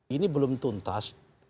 ini belum tuntas